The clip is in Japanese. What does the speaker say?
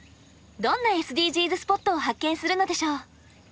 どんなＳＤＧｓスポットを発見するのでしょう。